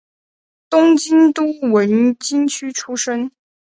东京都文京区出身。